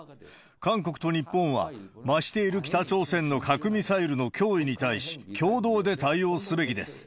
韓国と日本は増している北朝鮮の核ミサイルの脅威に対し、共同で対応すべきです。